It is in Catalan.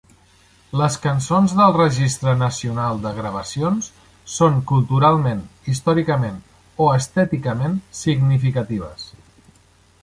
Les cançons del Registre Nacional de Gravacions són culturalment, històricament o estèticament significatives.